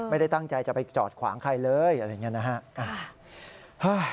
ไม่ได้ตั้งใจจะไปจอดขวางใครเลยอะไรอย่างนี้นะฮะ